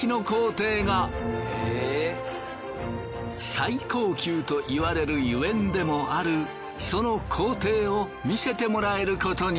最高級と言われるゆえんでもあるその工程を見せてもらえることに。